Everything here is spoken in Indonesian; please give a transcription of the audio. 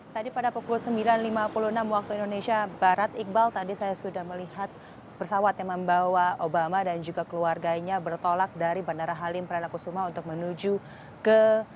tadi pada pukul sembilan lima puluh enam waktu indonesia barat iqbal tadi saya sudah melihat pesawat yang membawa obama dan juga keluarganya bertolak dari bandara halim perdana kusuma untuk menuju ke